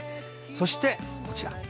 そしてこちら。